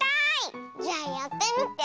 じゃあやってみて。